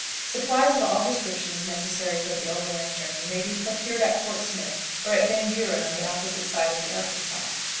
Supplies of all descriptions necessary for the overland journey may be procured at Fort Smith, or at Van Buren on the opposite side of the Arkansas.